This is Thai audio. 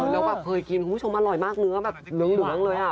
แล้วแบบเคยกินโอ้โฮชมอร่อยมากเนื้อแบบหลุงเลยอ่ะ